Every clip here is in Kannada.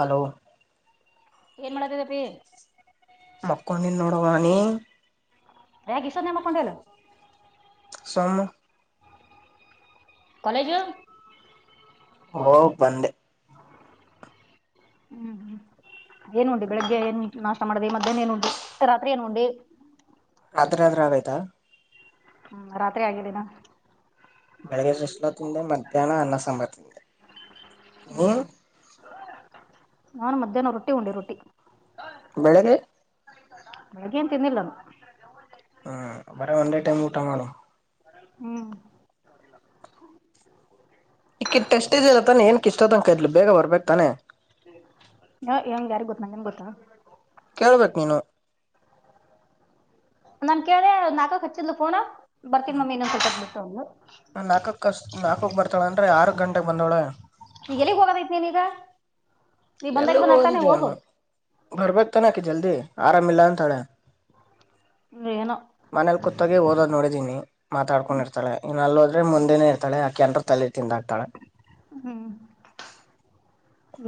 ಹಲೋ ಏನ್ ಮಾಡಕತೈದಿ ಅಪೀ ಮಕ್ಕೋಡಿ ನಿ ನೋಡವಾ ನಿ ಯಾಕೆ ಇಷ್ಟು ಹೊತ್ತ ನ್ಯಾಗ ಮಲ್ಕೊಂಡಿಯಲ್ಲ ಸುಮ್ಮ ಕಾಲೇಜು ಹೋಗ ಬಂದೆ ಹ್ಮ್ ಹ್ಮ್ ಏನ್ ಉಂಡಿ ಬೆಳಿಗ್ಗೆ ಏನ್ ನಾಷ್ಟ ಮಾಡ್ದಿ ಮಧ್ಯಾಹ್ನ ಏನ್ ಉಂಡಿ ರಾತ್ರಿ ಏನ್ ಉಂಡಿ ರಾತ್ರಿ ಆದ್ರ ಆಯ್ತಾ ಹ್ಮ್ ರಾತ್ರಿ ಆಗಿದ್ದಿನ್ ಬೆಳಿಗ್ಗೆ ಸುಸ್ಲಾ ತಿಂದೆ ಮಧ್ಯಾಹ್ನ ಅನ್ನ ಸಾಂಬಾರ್ ತಿಂದೆ ಹ್ಮ ನಾನ್ ಮಧ್ಯಾಹ್ನ ರೊಟ್ಟಿ ಉಂಡಿ ರೊಟ್ಟಿ ಬೆಳಿಗ್ಗೆ ನಳಗ ನ್ ತಿನ್ನಿಲ್ಲ ಹ್ಮ ಅವರ ವಂಡೇ ಟಮ್ ಕಊಟ್ಟಾ ಮಾಡಲೋ ಹ್ಮ್ ಟೆಸ್ಟ್ ಇಲ್ಲತ್ತ ಏನ್ ಇಷ್ಟ ಅಂತ ಕರ್ಲಿ ಬೇಗ ಬರ್ಬೇಕು ತಾನೆ ಹ ಹೆಂಗಗೆ ಯಾರ ಗೊತ್ತ ನನ್ಗೆ ಗೊತ್ತಾ ಕೇಳ್ಬೇಕು ನೀನು ನಮ ಕೇಳೆ ನಾಕಕ್ ಹಚ್ಚಿದ್ಲು ಫೋನ ಬರ್ತನ್ ಮಮ್ಮಿ ಇನ್ನೊಂದು ಸ್ವಪ ಬಿಟ್ಟು ಒಂದು ನಾಲ್ಕಕ್ಕ ಕಷ್ಟು ನಾಲ್ಕಕ್ಕೆ ಬರ್ತಾಳೆ ಅಂದ್ರರೆ ಆರು ಗಂಟೆಗೆ ಬಂದವಳೆ ಈಗ ಎಲ್ಲಿಗ್ ಹೋಗೋದೈತ್ ನೀನ್ ಈಗ ನೀ ಬಂದಾಗ ಎಲ್ಲಗೂ ಬಂದಾಗ ಒಂದ ತಾನೇ ಹೋಗು ಬರ್ಬೇಕು ತನಕೆ ಜಲ್ದಿ ಆರಾಮಿಲ್ಲ ಅಂತಳೆ ನೇನು ಮನೇಲಿ ಕೂತಾಗ ಓದೋದ್ ನೋಡಿದೀನಿ ಮಾತಾಡ್ಕೊಂಡರ್ತಾಳ ಇ ನ ಅಲ್ಲಿದ್ರೆ ಮುಂದೆನ ಇರ್ತಾಳೆ ಆಕೆನ್ ತಲೆರ್ ತಿಂದ ಹಾಕ್ತಳ ಹ್ಮ್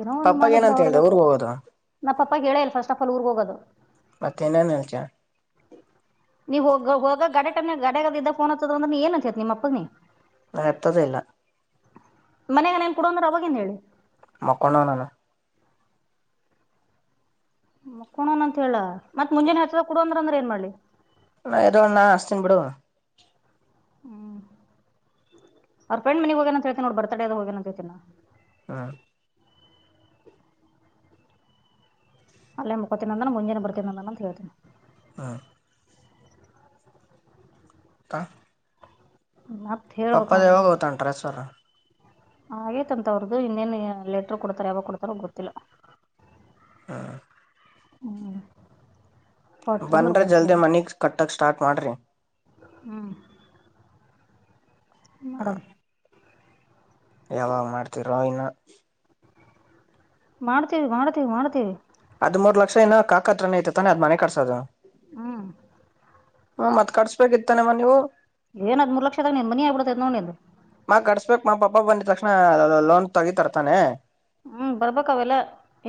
ಏನೋ ಒಂದು ಪಪ್ಪಾಗ ಮಾಡಿದ್ರ ಏನಂತ ಅವ್ರಗ ಹೇಳ್ದ ಊರ್ಗ್ ಹೋಗೋದು ನಾ ಪಪ್ಪ ಕೇಲ್ಲ ಫಸ್ಟ್ ಆಫ್ ಅಲ್ ಊರ್ಗ್ ಹೋಗೋದು ಮತ್ತೆಏನೇ ನಿಲ್ಚ ನೀವ ಹೋಗ ಹೋಗ ಗಡೆ ಟಮ್ ನ ಗಡೆಗ ಇದ್ದ ಫೋನ್ ಹತ್ತದ ಅ್ರ ನೀ ಏನ್ಸೇತಿ ನಿಮ್ಮಪ್ಪಕ್ಕನಿ ನಾ ಎರ್ತದೇ ಇಲ್ಲ ಮನೆಗ ನ್ ಕೊಡಂದ್ರ ಅವವಾಗಿಂದ ಹೇಳಿ ಮಕ್ಕೊಂಡೊನಲ್ಲ ಮಾಕೋಡೋಣ ಅಂತ ಹೇಳ ಮತ್ ಮುಂಜೆನೇ ಎಚ್ರ ಆಗಿ ಕೊಡ ಅಂದ್ರ ಅಂದ್ರ ಏನ್ ಮಾಡ್ಲಿ ನ [unintelligible] ಅಸ್ತನ್ ಬಿಡು ಹ್ಮ್ ಅವ್ರ ಫ್ರೆಂಡ್ ಮನೆಗ್ ಹೋಗೇನ ಅಂತ ಹೇಳ್ತನ್ ನೋಡ್ ಬರ್ತಡದ ಹೋಗೇನ ಅಂತ ಹೇಳ್ತನ ಹಾ ಅಲ್ಲೇ ಮುಕತಿನ ಅಂದ್ರ್ ಮುಂಜೆ ಬರ್ತನ ಅಂತ ಹೇಳ್ತನಿ ಹಾ ಕಾ ಮತ್ ಹೇಳ್ಬೇಕ್ ಪಪ್ಪದ್ ನೋಡ ಯಾವಾಗ್ ಹೋಗ್ತಾನ್ ಟ್ರಾಫಾರ್ ಹಾಗೇತ್ಂತ ಅವ್ರ್ದು ಇನ್ನೇನ್ ಲೆಟರ್ ಕೊಡ್ತಾರ ಯಾವಾಗ ಕೊಡ್ತಾರ ಗೊತ್ತಿಲ್ಲ ಹಾ ಹ್ಮ್ ಬಂದ್ರೆ ಜಲ್ದಿ ಮನೆಗೆ ಕಟ್ಟಕ್ಕೆ ಸ್ಟಾರ್ಟ್ ಮಾಡ್ರೀ ಹ್ಮ ಮಡಮ್ ಯಾವಾಗ ಮಾಡ್ತಿರೋ ಇನ್ನು ಮಾಡ್ತೀವಿ ಮಾಡ್ತೀವಿ ಮಾಡ್ತೀವಿ ಅದ್ ಮೂರ್ ಲಕ್ಷ ಏನ್ ಕಾಕತ್ರನ ಐತೆತಾನೆ ಅದ್ ಮನೆ ಕರ್ಸಕೆ ಹ್ಮ್ ಹು ಮತ್ ಕಟ್ಸ್ಬೇಕಿತಾನಮ್ಮ ನೀವು ಏನದ್ ಮೂರು ಲಕ್ಷದಾಗ್ ನಮ್ ಮನಿ ಆಗ್ಬಿಡತ್ [unintelligible] ನೋಡಿ ಮ ಕಡ್ಸ್ಬೇಕಕ್ ಮಾ ಪಾಪ ಬಂದಿದ ತಕ್ಷಣ ಲೋನ್ ತೆಗಿ ತರ್ ತಾನೇ ಹ್ಮ್ ಬರ್ಬೇಕ ಅವೆಲ್ಲ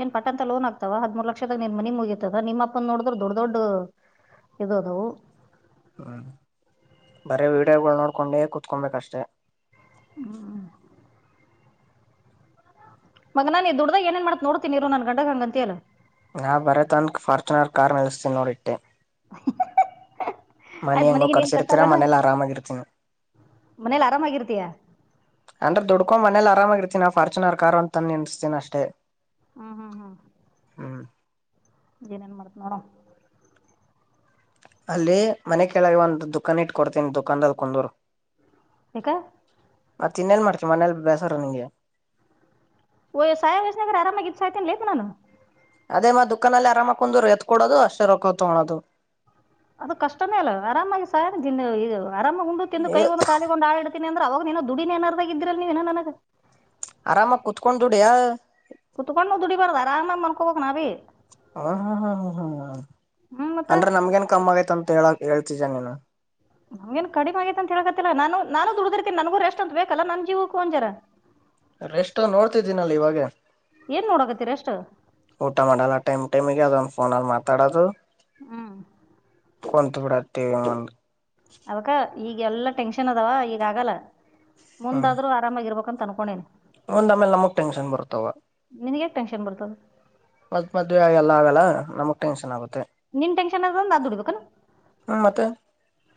ಏನ್ ಪಟ್ಟ ಅಂತ ಲೋನ್ ಆಗ್ತಾವ ಹದ್ಮೂರು ಲಕ್ಷದ ನಿನ್ ಮಿ ಮುಗಿತತದ ನಿಮ್ಮಪ್ಪನ ನೋಡಿದ್ರೆ ದೊಡ್ಡ ದೊಡ್ ಇದು ಅದವು ಹ್ಮ್ ಬರೇ ವಿಡಿಯೋಗಳು ನೋಡ್ಕೊಂಡೆ ಕುತ್ಕೊಬೇಕಷ್ಟೇ ಹ್ಮ್ ಮಗನಾ ನೀ ದುಡ್ದ ಏನ್ ಮಾಡತ್ ನೋಡ್ತನಿರು ನನ್ ಗಂಡಗೆ ಹಂಗಂತಿಯಲ್ಲ ನಾವು ಬರೇ ತನನ್ಕ್ ಫಾರ್ಚುನರ್ ಕಾರ್ ನಲ್ಸ್ತೀನಿ ನೋಡಿಟ್ಟೆ ಮನಿ ಆಯ್ತ್ ಹೆಂಗೋ ಮನಿಗೆ ಏನ್ ಕರ್ಸಿರ್ತೀರ ಕಟ್ಟಲ್ಲನ ಮನೇಲಿ ಆರಾಮಾಗಿರ್ತನಿ ಮನೇಲಿ ಆರಾಮಾಗಿರ್ತೀಯ ಅಂದ್ರೆದುಡ್ಕೊಮನೆಯಲ್ ಆರಾಮಾಗಿರ್ತನ ನ ಫಾರ್ಚನರ್ ಕಾರ್ ಅಂತ ನಿನ್ಸ್ತಿನ ಅಷ್ಟೇ ಹ್ಮ್ ಹ್ಮ್ ಹ್ಮ್ ಹ್ಮ್ ಏನೇನ್ ಮಾಡ್ತ ನೋಡಮ್ ಅಲ್ಲಿ ಮನೆ ಕೆಳಗೆ ಒಂದ್ ದುಖಾನ್ ಇಟ್ ಕೊಡ್ತೇನ ದುಖಾನದ ಕುಂದೂರು ಯಾಕ ಮತ್ತ ತಿನ್ನೇನ್ ಮಾಡ್ತಿ ಮನೆಲ್ ಬೇಸಾರ ನಿಂಗೆ ಓ ಸಾಯ ವಸ್ಸನ ಆರಾಮಾಗಿ ಇತ್ತು ಸ್ತನನೆಲೆಪ್ಪ ನಾನು ಅದೇ ಮತ್ ದುಖಾನ ಅಲ್ಲಿ ಆರಾಮಾಗ್ ಕುಂದಿರು ಎತ್ ಕೊಡೋದು ಅಷ್ಟೇ ರೊಕ್ಕ ತಗೋಣದು ಅದು ಕಷ್ಟನೇ ಅಲ್ಲ ಆರಾಮಾಗಿ [unintelligible] ಆರಾಮಾಗ್ ಉಂಡು ತಿಂದು ಏ ಕೈಗೊಂದು ಕಾಲಿಗ್ ಒಂದ ಆಡ್ತನಿ ಅಂದ್ರ ಅವಾಗ ನೀನು ದುಡಿನೇನಾರ್ ಬಗ್ಗೆ ಇದ್ರಲ್ ನೀವು ನನಗ ಆರಾಮಾಗ್ ಕುತ್ಕೊಂಡ್ ದುಡೀ ಕುತ್ಕೊಂಡ ದುಡಿ ಬಾರ್ದ್ ಅರಾಮಾಗ್ ಮನ್ಕೋಬೇಕ್ ನಾವೀ ಹ್ಮ್ ಹ್ಮ್ ಹ್ಮ್ ಹ್ಮ್ ಹ್ಮ್ ಹ್ಮ್ ಮತ್ತ ಅಂದ್ರೆ ನಮ್ಗೇನ್ ಕಮ್ಮ್ ಆಗೈತ್ ಅಂತ ಹೇಳಾಕ್ ಹೇಳ್ತಿದ್ಯ ನೀನು ನಂಗೇನ್ ಕಡಿಮೆ ಆಗೈತ್ ಅಂತ್ ಹೇಳಕತ್ತಿಲ್ಲ ನಾನು ನಾನು ದುಡ್ದಿರ್ತಿನ್ ನನ್ಗು ರೆಸ್ಟ್ ಅಂತ ಬೇಕಲ್ಲ ನನ್ ಜೀವುಕ್ಕು ಒಂಜರ ರೆಸ್ಟು ನೋಡ್ತಿದ್ದೀನಲ್ ಇವಾಗ ಏನ್ ನೋಡಕತ್ತಿ ರೆಸ್ಟ್ ಊಟ ಮಾಡಲ್ಲ ಟೈಮ್ ಟೈಮಿಗೆ ಅದೊಂದು ಫೋನಲ್ಲಿ ಮಾತಾಡೋದು ಹ್ಮ್ ಕೊಂತ ಬಿಡಾತೀವ್ ಒಂದ್ ಅದ ಈಗ ಎಲ್ಲಾ ಟೆನ್ಷನ್ ಅದಾವ ಈಗ ಆಗಲ್ಲ ಹ್ಮ್ ಮುಂದಾದ್ರೂ ಆ ರಾಮಾಗಿರ್ಬೇಕು ಅಂತ ಅನ್ಕೊಂಡೀನಿ ಒಂದ್ ಆಮೇಲ್ ನಮಗ್ ಟೆನ್ಶನ್ ಬರ್ತಾವ ನಿನ್ಗ್ ಯಾಕ್ ಟೆನ್ಶನ್ ಬರ್ತದೆ ಮತ್ ಮದ್ವೆೆ ಎಲ್ಲ ಆಗಲ್ಲ ನಮಗ್ ಟೆನ್ಷನ್ ಆಗುತ್ತೆ ನಿನ್ ಟೆಂಕ್ಶನ್ ಆಗುವಂತ್ನಾ ದುಡಿಬೇಕನ ಹ್ಮ ಮತ್ತೆ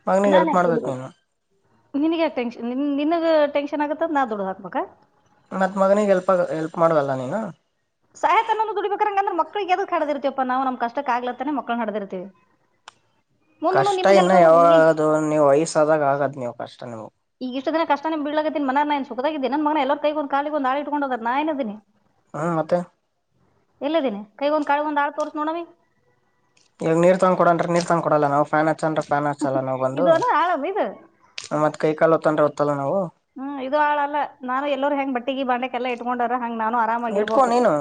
ಮಗನಿಗೆ ನಾನ್ ಹೆಲ್ಪ್ ಯಾಕ್ ಮಾಡ್ಬೇಕು ದುಡೀಬೇಕ್ ನೀನು ನಿನಿಗ್ ಯಾಕ್ ಟೆಂಕ್ಶ್ ನಿನ್ ನಿನಗ ಟೆಂಕ್ಶನ್ ಆಗತ್ತಂತ್ ನಾ ದುಡ್ದ್ ಹಾಕ್ಬೇಕಾ ಮತ್ ಮಗನಿಗೆ ಹೆಲ್ಪ್ ಆಗ ಹೆಲ್ಪ್ ಮಾಡುವಲ್ಲ ನೀನು ಸಹತ್ತನ್ನೊ ದುಡಿಬೇಕಕಂಗ್ರ ಮಕ್ಳಿಗೆ ಯದಕ್ ಹಡದಿರ್ತಿವಪ್ಪ ನಾವು ನಮ ಕಷ್ಟಕ್ಕಗ್ಲತ್ತೇ ಮಕ್ಳ ಹಡದಿರ್ತಿವಿ ಕಷ್ಟ ಇನ್ನು ಈಗ ಯಾವದು ನೀವು ವಯಸಾದಾಗ ಆಗದ್ ನೀವು ಕಷ್ಟ ನಿಮಗ್ ಈ ಇಷ್ಟ ದಿನ ಕಷ್ಟನ ಬಿಡ್ಲದತ್ತನ ಮ ನನಖತಾಗಿದ್ದನನ್ ಮನ ಎಲ್ಲ ಕೈ ಕಾಲ ಒಂದು ಆಳ ಇಟ್ಡೋಗ ನಾನನಿದ್ದೀ ಹಾ ಮತ್ತೆ ಎಲ್ಲದಿನಿ ಕೈಗೊ್ ಕಳ ಒ ಆಡ್ ತೋರ್ಸ ನೋ ಈಗ ನೀರ್ ತಂದ್ ಕೊಡನ್ ನೀರ್ ತಗ್ಕ ಕೊಡಲ್ಲ ನಾವು ಫ್ಯಾನ್ ಹಚ್ಚನ್ ಫ್ಯಾನ್ ಹಚ್ಚಲ್ಲ ನಾವವು ಬಂದು ಇದು ಅದ ಆಳವ ಇದು ಮತ್ತತ್ ಕೈ ಕಾಲೋ ತೊಂದ್ರೆ ಹೊದತ್ತಲ್ಲ ನಾವು ಹ್ಮ್ ಇದು ಹಾಳಲ್ಲ ನಾನು ಎಲ್ಲರು ಹೆಂಗ್ ಬಟ್ಟಿಗೆ ಬಾಂಡೆಲ್ಲ ಇಟ್ಕೊಂಡರ ಹಂಗ್ ನಾನು ಆರಾಮಾಗಿ ಇಟ್ಕೊ ಇರ್ಬೇಕು ನೀನು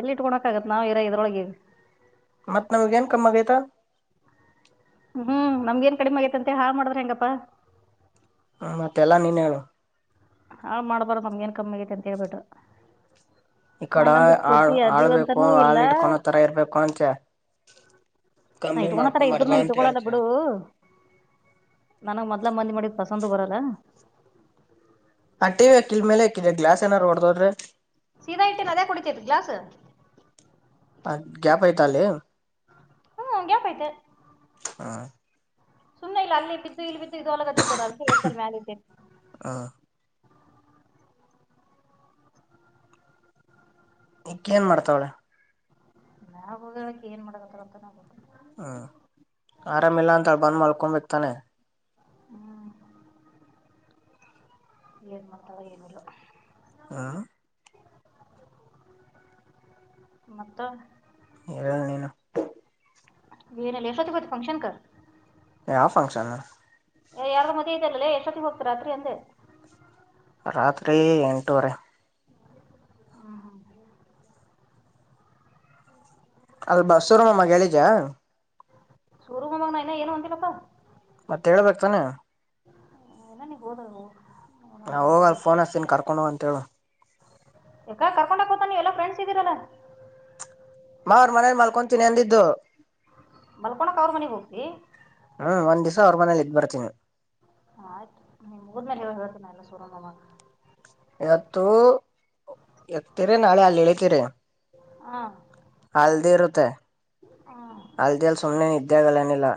ಎಲ್ಲಿ ಇಟ್ಕೊಳಕ ಆಗತ್ ನಾವು ಇರ ಇದರೊಳಗೆ ಮತ್ತತ್ ನಮಗ್ ಏನ್ ಕಮ್ಮ ಆಗೈತಾ ಹ್ಮ್ ನಮ್ಗಏನ್ ಕಡಿಮೆ ಆಗೈತ ಅಂತೆ ಹಾ ಮಾಡಿದ್ರೆ ಹೆಂಗಪ್ಪಾ ಹ ಮತ್ತೆಲ್ಲಾ ನೀನ್ ಹೇಳು ಹಾ ಮಾಡ್ಬಾರು ನಮ್ಗೆಏನ್ ಕಮ್ಮಿಗಐತೆ ಅಂತೇಳ್ಬಿಟ್ಟು ಈ ಕಡ ಹಂಗಂದ್ರ ಆಳ್ ಪೂರ್ತಿ ಆಳ್ಬೇಕು ಅದೀವಂತನೂ ಇಲ್ಲ ಆಳ್ ಇಟ್ಕೊಳೋ ತರ ಇರ್ಬೇಕು ಅಂತ ನಾ ಕಮ್ಮಿ ಇಟ್ಕೊತಾರ ಮಾಡ್ಕೊಬಾರ್ದು ಇದ್ರುನು ಅಂತ ಇಟ್ಕೊಳಲ್ಲ ಬಿಡು ಹೇಳ್ತ ನನಗ್ ಮೊದ್ಲ ಮಂದಿ ಮಾಡಿದ್ ಪಸಂದ್ ಬರಲ್ಲ ಆ ಟೀ ಅಕ್ಕಿನ್ ಮೇಲೇ ಈಗ ಗ್ಲಾಸ್ ಏನಾರು ಒಡ್ದೋದ್ರೆ ಸೀದಾಇಟ್ಟಿನ ಅದ್ಯಾಕ ಹೊಡಿತೈತೆ ಗ್ಲಾಸ್ ಹ ಗ್ಯಾಪ್ ಐತಲ್ಲಿ ಹ್ಮ್ ಗ್ಯಾಪ ಐತಿ ಹ ಸುಮ್ಮನೆ ಇಲ್ಲ ಬಿದ್ದು ಇಲ್ಲಿ ಬಿದ್ದು ಇದು ಆಗಲ್ಕತ್ತದೇತಲ್ ಎತ್ತಿ ಮ್ಯಾಲತ್ತು ಹ [unintelligible] ಏನ್ ಮಾಡ್ತಾವಳೆ ನಾವ ಹೋದ ಬಳಕ್ ಏನ್ ಮಾಡಕತ್ರ ಅಂತ ನ ಹ್ಞೂ ಆರಾಮಿಲ್ಲ ಅಂತೇಳಿ ಬಂದು ಮಾಲ್ಕೋಡಬಿಡ ತಾಳೆ ಹ್ಮ್ ಏನ್ ಮಾಡ್ತಾವ ಏನಲ್ಲ ಹಾ ಮತ್ತ ಹ ನೀ ಎಷ್ಟ ಹೋತ್ತಿಗೆ ಹೋದೆ ಅಲ್ಲಿ ಫಂಕ್ಷನಕ ಯಾವಂಫಕ್ಷನ್ ಏ ಯಾರದೋ ಮದುವೆ ಅಂದ್ಯಲ್ಲೋ ಎಷ್ಟ್ ಹೊತ್ತಿಗೆ ಹೋಗ್ತ ರಾತ್ರಿ ಅಂದೆ ರಾತ್ರಿ ಎಂಟೂವರೆ ಹ್ಮ್ ಹ್ಮ್ ಅದು ಬಸುರಮ್ಮ ಗೆಳಿದಾ ಶುರು ಮಾಮಾ ಇನು ಏನುಂದಿಲ್ಲಪ್ಪಾ ಮತ್ತೆ ಹೇಳ್ಬೇಕ ತಾನೆ [unintelligible] ಹೋದ್ಲು ನೋಡು ನಾವು ಹೋಗ ಅ ಫೋನ ಹಸತೀನಿ ಕರ್ಕೊಂಡು ಹೋಗ ಅಂತೇಳ ಯಾಕ ಕರ್ಕೊಂಡ ಯಾಕ ಹೋಗ್ತಾನ ನೀವು ಎಲ್ಲ ಫ್ರೆಂಡ್ಸ್ ಇದ್ದರಲ್ಲ ಮಾರ ಮನೇಲಿ ಮಲ್ಕೊಂತೀನಿ ಅಂದಿದ್ದು ಮಲ್ಕೋಳಕ್ಕ ಅವ್ರ ಮನೆಗೆ ಹೋಗ್ತಿ ಹ್ಮ್ ಒಂದ್ ದಿವ್ಸ ಅವ್ರ ಮನೇಲಿ ಇದ ಬರ್ತನಿ ಆಯ್ತು ನಿಮ್ ಊರ್ ಮೇಲೆ ಹ ಹೇಳ್ತ ನಾನ ಸೂರು ಮಾಮಗ ಇವತ್ತು ಎತ್ತಳಿರಿ ನಾಳೆ ಅಲ್ಲಿ ಇಳಿತಿರಿ ಹಾ ನಾಳೆ ಹಲ್ದಿ ಇರುತ್ತೆ ಹಾ ಅಲ್ದೆಲ್ ಸೋನೆ ಇದ್ದ್ಯಾಗಲ್ಲನಿಲ್ಲ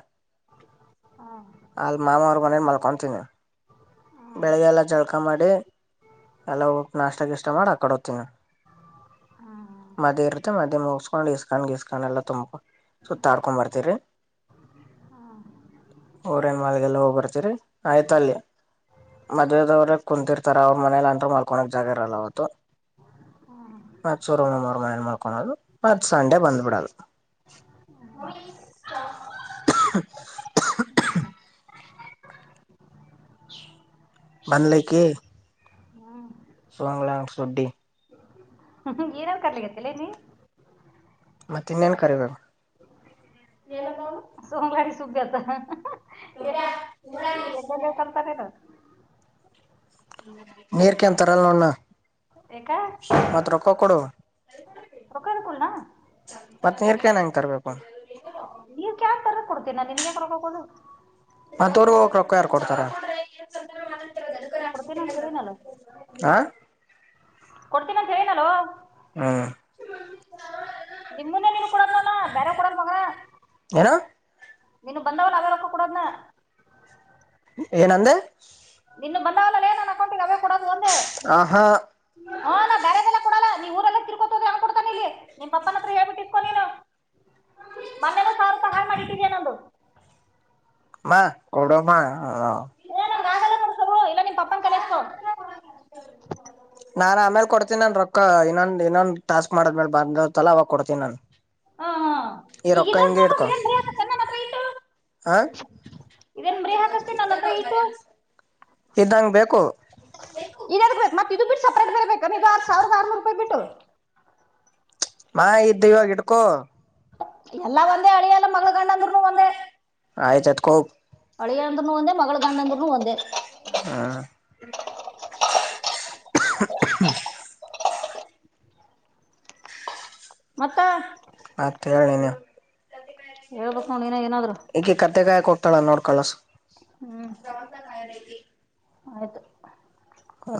ಹಾಂ ಅಲ್ಲಿ ಮಾಮಾರ ಮನ್ಯಾಗ ಮಲ್ಕೊಂತೀನಿ ಬೆಳಿಗ್ಗೆ ಎಲ್ಲ ಜಳ್ಕ ಮಾಡಿ ಎಲ್ಲ ಹೋಗಿ ನಾಷ್ಟಾಗಿಷ್ಟಾ ಮಾಡಿ ಆಕಡೆ ಹೋಗ್ತೀನ ಹಾ ಮದ್ ಇತ್ತೆ ಮದ್ ಮುಗಸ್ಕೊಂಡ್ ಈ ಇಸ್ಕಾ ಗೀಸ್ಕ್ ಎಲ್ಲಾ ತುಂಬು ಸುತ್ತಾಡ್ಕೊಂಡ್ ಬರ್ತೀರಿ ಓರಿನ ಮಾಲ್ಗೆಲ್ಲ ಹೋಗಿಬರ್ತತಿರಿ ಆಯ್ತ ಅಲ್ಲಿ ಮದ್ವೆದವ್ರ ಕುಂತಿರ್ತಾರ ಅವ್ರ ಮನೇಲಿ ಅಂದ್ರರು ಮಲ್ಕೊಕ್ ಜಾಗ ಇರಲ್ಲ ಅವತ್ತು ಮತ ಸೂರು ಮಾಮಾ ಮನ್ಯಾಗ ಮಲ್ಕಳೋದು ಮತ್ತ್ ಸಂಡೆ ಬಂದ್ಬಡದು [unintelligible] ಕ್ಷಹು. ಹು ಟೈಮ್ ಎಷ್ಟು ಬಂದ್ಲಕಿ. ಹು ಸೋಂಗ್ಲ್ಯಾನ್ ಸುಂಟಿ. ಹಹು ಏನಾನ್ ಕರ್ಲಿಕತ್ತಿಲೇ ನೀ. ಮತ್ತಿನ್ನೇನ ಕರಿಬೇಕು. ಏನು ಅಂದಾ ಅವನು ಸೋಗ್ಲಾಡಿ ಸುಬ್ಬಿ ಅಂತ ಹ್ಹಹ್ಹಾ. ಇರ್ಯಾ ಸುಮ್ಬಲ್ಲಾ ಇದ್ದಲ್ಲೇ ತಟ್ಟತಾರ್ ನಿನ್ನ. ನೀರ್ ಕ್ಯಾನ್ ತರುದಿಲನಾ. ಯಾಕ ಮತ್ತ ರೊಕ್ಕಾ ಕೊಡೋವಾ ರೊಕ್ಕ ಕೊಡ್ಲಾ ಮತ್ತ್ ನೀರ್ ಕ್ಯಾನ್ ಹೆಂಗ ತರ್ಬೇಕು. ನೀರ್ ಕ್ಯಾನ್ ತರ ಕೊಡ್ತೀನಾ ನಿನಗ್ ಯಾಕ್ ರೊಕ್ಕಾಡದ. ಮತ್ತ ಊರರ್ಗೋಕ ರೊಕ್ಕಾ ಯಾರ ಕೊಡ್ತಾರ. ಕೊಡತಿನಂತ ಹೇಳಿನಲ್ಲ. ಆ ಕೊಡ್ತೀನಂತ ಏಳಿನಲ್ಲೋ. ಹು ತಿಲ್ಲಾ. ನಿಮ್ಮನ್ನ ನೀನಗ ಕೊಡದ ನಾನು ಬೇರೆವ ಕೊಡಲ್ ಮಗನ. ಏನು. ನೀನಗ ಬಂದಾವಲ್ಲ ಅವೆರೊಕ್ಕಾ ಕ್ಕೂಡೋದನಾನ್. ಏನಂದೆ. ನಿನಗ ಬಂದಾವಲ್ಲಲ್ಲೇ ನನ್ನ ಅಕೌಂಟ್ಗೆ ಅವೇಕೊಡೋದು. ಪ್ಚ್ ಅ ಹ. ಹು ನಾ ಬ್ಯಾರೆದೆಲ್ಲಾ ಕೊಡಲ್ಲಾ ನೀ ಊರೆಲ್ಲಾ ತಿರ್ಕೋತ ಹೋದ್ರ ಯಾವ್ ಕೊಡ್ತಾನ ಇಲ್ಲಿ ನಿಮ್ಮ ಪಪ್ಪನ ಹತ್ರ ಹೇಳ್ಬಟ್ಟ ಇಸ್ಕೂ ನೀನು. ಮೊನ್ನೆನು ಸಾವರೊಪಾಯಿ ಹಾಳ್ ಮಾಡಿಟ್ಟಿದೀ ನಂದು. ಮಾ ಕೊಡು ಮಾ ಏ ನಮ್ಮಗ ಆಗಲ್ಲ ನೋಡಪ್ರಭು ಇಲ್ಲಾ ನಿಮ್ಮ ಪಪ್ಪಾನ ಕ. ನಾನ್ ಆಮೇಲ್ ಕೊಡ್ತಿನನ್ನ ರೊಕ್ಕಾ ಇನ್ನೊಂದ ಇನ್ನೊಂದ ಟಾಸ್ಕ್ ಮಾಡಿದ ಮೇಲ ಬಂದಿರ್ತಲ್ಲ ಅವಾಗ ಕೊಡ್ತಿನಾನು. ಹಾ ಹಾ ಈ ರೊ ಈಗ ಕ್ಕಾ ಇದ್ರಲ್ಲಿ ಹಿಂಗೆ ತೊಗೊಂಡು ಇಡ್ಕೊ ಇದೇನ್ ಬರೀ ಹಾಕತ್ತೆ ನನ್ನ ಹತ್ರ ಹಾ. ಇದೇನ ಮರಿ ಹಾಕಸ್ತಿ ನನ್ನ ಹತ್ರ ಇಟ್ಟು. ಇದ್ದಂಗ ಬೇಕು. ಇದೇದಕ ಬೇಕು ಮತ್ತ ಇದು ಬಿಟ್ಟ ಸಪರೇಟ್ ಬೇರೆ ಬೇಕೇನ ಇದು ಆರ್ಸಾವರದ ಆರ ನೂರ ರೂಪಾಯಿ ಬಿಟ್ಟು. ಮಾ ಇತ ತಿಂಗಳಗ ಇಟ್ಟಗೋ ಎಲ್ಲ ಒಂದೇ ಅಳಿಯಲ್ಲ ಮಗಳ ಗಂಡ ಅಂದ್ರೂ ಒಂದೇ ಆಯ ಜಜ್ಜಕೋ ಹೋಗ್. ಅಳಿಯ ಅಂದ್ರುನು ಒಂದೆ ಮಗಳ ಗಂಡ ಅಂದ್ರೂನು ಒಂದೇ. ಹಾ ಕ್ಕಹ ಕ್ಕಹ ಮತ್ತ ಮತ್ತ ಹೇಳ ನೀನೇ ಕತ್ತಿ ಕಾಯಕ ಇಲ್ಲ ಹೇಳ್ಬೇಕ್ ಏನು ನೋಡ್ ನೀನ ಏನಾದ್ರು ಇಕಿ ಕತ್ತಿ ಕಾಯಾಕ ಹೋಕ್ತಾಳನ್ ಕಳಸ್. ಹು ಆಯ್ತು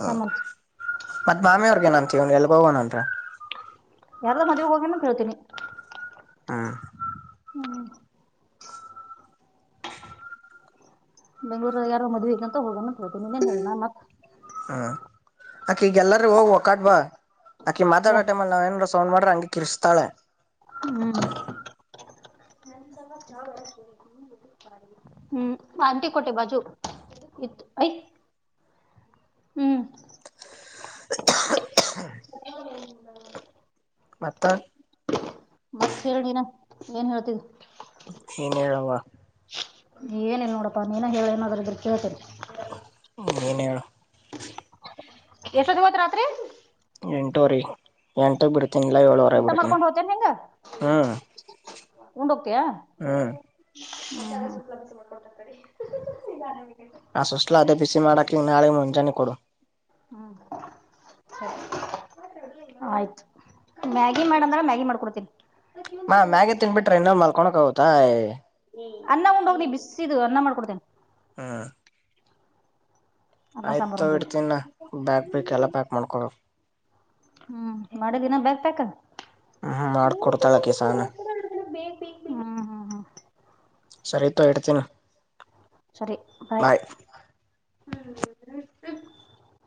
ಆ ಮತ್ ಮತ್ತ ನಾಮಾರಿಗೆ ಏನಂತಿವಿ ಏನ್ ಅಂತೀವಿ ಎಲ್ಲಾಗೊಗೊನಂತ. ಯಾರದೋ ಮದಿವಿಗ ಹೋಗ್ಯಾನ್ ಅಂತ ಹೇಳ್ತಿನಿ. ಹ ಹು ಬೆಂಗಳೂರಾಗ ಯಾರದೋ ಮದ್ವಿ ಐತಂತ ಹೋಗ್ಯಾನಂತ ಹೇಳ್ತಿನಿ ಇನ್ನೇನ ಹೇಳಿ ನಾ ಮತ್ತ. ಹ್ಮ ಅಕಿಗ್ ಎಲ್ಲಾರೂ ಹೊ ಒಕ್ಕಾಟ್ ಬಾ ಅಕಿ ಮಾತಾಡೋ ಟೈಮಲ್ಲಿ ನಾವ ಏನಾರ್ ಸ ಸೌಂಡ್ ಮಾಡಿದ್ರ ಹಂಗೆ ಕಿರಚಾತಳ ಹ್ಮ್ ಹ್ಮ್ ಆಂಟಿ ಕೊಟ್ಟೆ ಬಾಜು ಇತ್ತು ಯ್ತ್ ಹ್ಮ್ [inaudible] ಮತ್ತು ಮತ್ತ್ ಹೇಳ ನೀನಾ ಏನ್ ಹೇಳ್ತಿದ್ದ ನೀನು ಏಳುವಾ ಏನಿಲ್ಲ ನೋಡಪ್ಪ ನೀನು ಹೇಳ ಏನಾದರ ಇದ್ರ ಕೇಳ್ತರಿ ಹ್ಮ ಏನ ಹೇಳು ಎಷ್ಟೋದವತ್ ರಾತ್ರಿ ಎಂಟುವರಿ ಎಂಟಕ್ ಬಿಡ್ತೀನಿ ಇಲ್ಲ ಏಳುವರೆಗ ಊಟ ಬಿಡ್ತೀನಿ ಹ್ಞೂ ಉಂಡೊಗ್ತಿಯ ಹ್ಮ ಆ ಸುಸ್ಲಾ ಅಟ್ಟ ಬಿಸಿ ಮಾಡಾಕಿ ನಾಳೆ ಮುಂಜಾನೆ ಕೊಡು ಹ್ಮ್ ಸರಿ ಆಯ್ತು ಮ್ಯಾಗಿ ಮಾಡಂದಾಗ ಮ್ಯಾಗಿ ಮಾಡ್ಕೊಡ್ತೀನಿ ಮ ಮ್ಯಾಗೆ ತಿನ್ಬಿಟ್ರೆ ಇನ್ನೋ ಮಲ್ಕೊೋಕಗತಾಯ ಅನ್ನ ಉಂಡ್ ಹೋಗ್ ಬಿಸಿದು ಅನ್ನ ಮಾಡ್ಕೊಡ್ತೇನೆ ಹಾ ಅನ್ನ ಆಯ್ತು ಸಾಂಬಾರ್ ತ ಉಂಡ್ ಹೋಗು ಇಡ್ತೀನ ಬ್ಯಾಗ್ ಬೇಕ ಎಲ್ಲ ಪ್ಯಾಕ್ ಮಾಡ್ಕೊಬೇಕು ಹ್ಮ್ ಮಾಡೆ ದಿನ ಬರ್ತಕ್ ಹ್ಮ ಮಾಡ್ಕ ಕೊಡ್ತಾಳ ಕಸಾನ [unintelligible] ಸರಿತ್ತು ಇಡ್ತೀನ ಸರಿ ಬಾಯ್